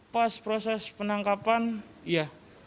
pas proses penangkapan ya